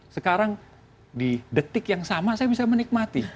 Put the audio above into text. sekarang di detik yang sama saya bisa menikmati